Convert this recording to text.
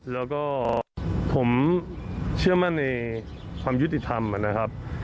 แล้วก็ผมเชื่อมั่นในความยุติธรรมนะครับ